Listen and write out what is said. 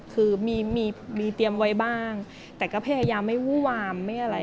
คือมีเตียมไว้บ้างแต่ก็พยายามไม่วุดหวาม